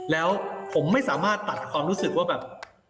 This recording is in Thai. แล้วผมไม่สามารถตัดความรู้สึกว่าแบบ